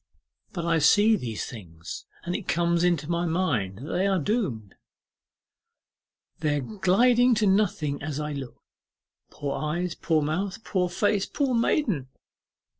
But I see these things, and it comes into my mind that they are doomed, they are gliding to nothing as I look. Poor eyes, poor mouth, poor face, poor maiden!